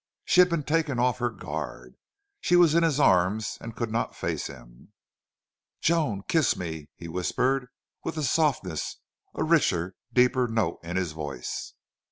She had been taken off her guard. She was in his arms and could not face him. "Joan, kiss me," he whispered, with a softness, a richer, deeper note in his voice.